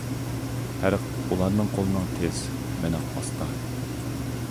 پەرق، ئۇلارنىڭ قولىنىڭ تېز، مىنىڭ ئاستا.